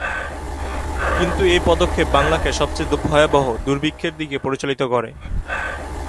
কিন্তু, এ পদক্ষেপ বাংলাকে সবচেয়ে ভয়াবহ দুর্ভিক্ষের দিকে পরিচালিত করে।